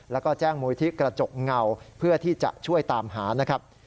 แล้วก็แจ้งมูลที่กระจกเงาเพื่อที่จะช่วยตามหานะครับ